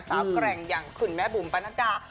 สาวแกร่งอย่างคุณแม่บุ๋มปันนักกา